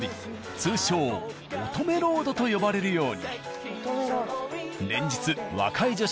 通称乙女ロードと呼ばれるように。